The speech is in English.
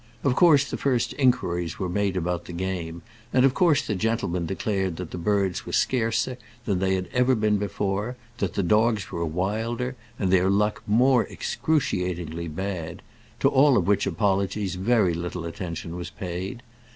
Of course the first inquiries were made about the game, and of course the gentlemen declared that the birds were scarcer than they had ever been before, that the dogs were wilder, and their luck more excruciatingly bad, to all which apologies very little attention was paid.